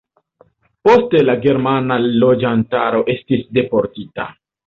Poste la germana loĝantaro estis deportita.